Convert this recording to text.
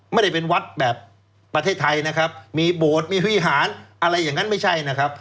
ไม่ได้เป็นวัดแบบประเทศไทยนะครับมีโบสถ์มีวิหารอะไรอย่างนั้นไม่ใช่นะครับ